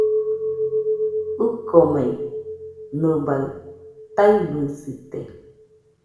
ɨkomei, nɨbaɨ taɨbɨsite.